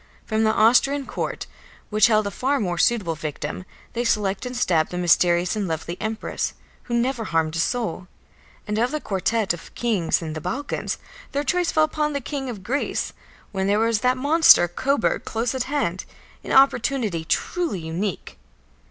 From the Austrian court, which held a far more suitable victim, they select and stab the mysterious and lovely Empress, who never harmed a soul. And of the quartet of kings in the Balkans, their choice fell upon the King of Greece, when there was that monster Coburg close at hand, an opportunity truly unique.